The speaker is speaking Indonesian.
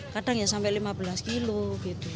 kadang ya sampai lima belas kilo gitu